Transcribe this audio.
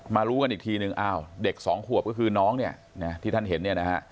มารู้อีกทีนึงเด็ก๒ขวบก็คือน้องกันอย่างที่ท่านเห็น